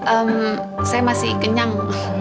ehm saya masih kenyang